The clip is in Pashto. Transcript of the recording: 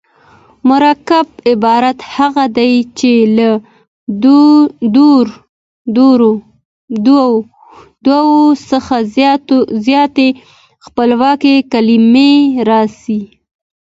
مرکب عبارت هغه دﺉ، چي له دوو څخه زیاتي خپلواکي کلیمې راسي.